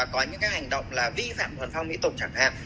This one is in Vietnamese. có những cái hành động là vi phạm thuần phong mỹ tục chẳng hạn